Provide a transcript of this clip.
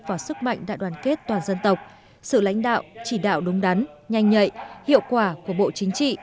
và sức mạnh đại đoàn kết toàn dân tộc sự lãnh đạo chỉ đạo đúng đắn nhanh nhạy hiệu quả của bộ chính trị